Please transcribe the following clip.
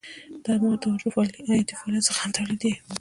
دا مواد د حجرو حیاتي فعالیت څخه هم تولیدیږي.